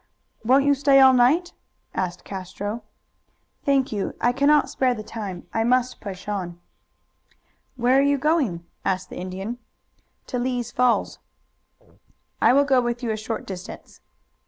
"Won't you stay all night?" asked Castro. "Thank you. I cannot spare the time. I must push on." "Where are you going?" asked the Indian. "To Lee's Falls." "I will go with you a short distance."